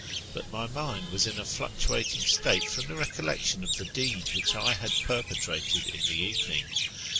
But my mind was in a fluctuating state from' the recollection of the deed which I had perpetrated in the evening.